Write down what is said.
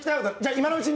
今のうちに。